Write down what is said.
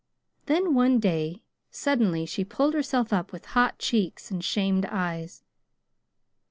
Then, one day, suddenly she pulled herself up with hot cheeks and shamed eyes.